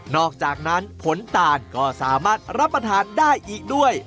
อกจากนั้นผลตาลก็สามารถรับประทานได้อีกด้วย